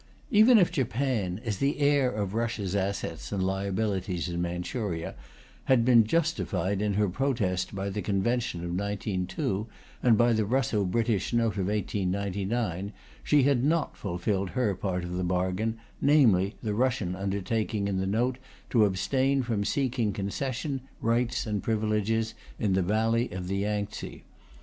"Even if Japan, as the heir of Russia's assets and liabilities in Manchuria, had been justified in her protest by the Convention of 1902 and by the Russo British Note of 1899, she had not fulfilled her part of the bargain, namely, the Russian undertaking in the Note to abstain from seeking concession, rights and privileges in the valley of the Yangtze.